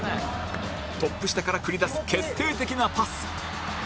トップ下から繰り出す決定的なパス